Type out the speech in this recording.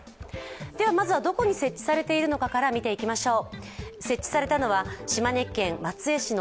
ではまずはどこに設置されているのかから見ていきましょう。